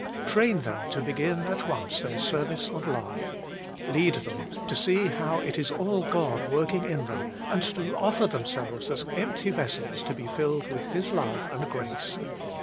Train them to begin at once their service of love. Lead them to see how it is all God working in them, and to offer themselves as empty vessels to be filled with His love and grace.